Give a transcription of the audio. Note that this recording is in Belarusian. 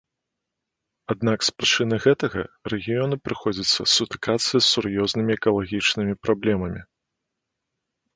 Аднак з прычыны гэтага рэгіёну прыходзіцца сутыкацца з сур'ёзнымі экалагічнымі праблемамі.